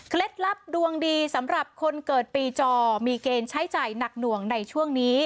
ลับดวงดีสำหรับคนเกิดปีจอมีเกณฑ์ใช้จ่ายหนักหน่วงในช่วงนี้